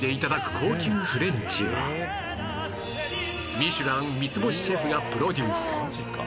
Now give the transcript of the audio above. ミシュラン三つ星シェフがプロデュース